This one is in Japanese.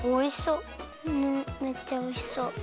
うんめっちゃおいしそう。